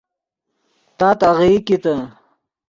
تات آغیئی کیتے